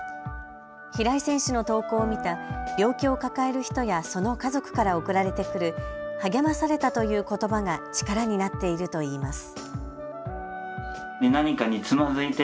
平井選手の投稿を見た病気を抱える人やその家族から送られてくる励まされたということばが力になっているといいます。